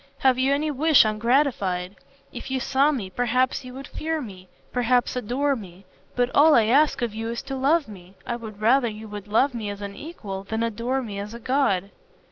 have you any wish ungratified? If you saw me, perhaps you would fear me, perhaps adore me, but all I ask of you is to love me. I would rather you would love me as an equal than adore me as a god."